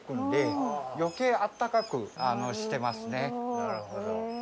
なるほど。